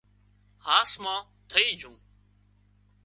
هاس مان ٿئي جھون